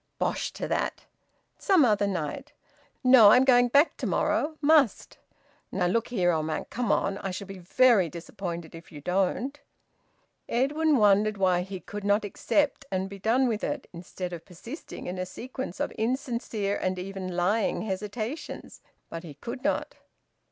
"Bosh to that!" "Some other night." "No. I'm going back to morrow. Must. Now look here, old man, come on. I shall be very disappointed if you don't." Edwin wondered why he could not accept and be done with it, instead of persisting in a sequence of insincere and even lying hesitations. But he could not.